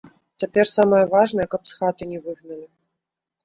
Цяпер самае важнае, каб з хаты не выгналі.